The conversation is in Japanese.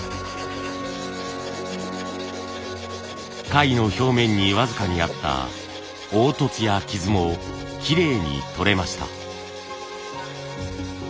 貝の表面に僅かにあった凸凹や傷もきれいにとれました。